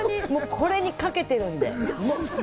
これに懸けてるんで。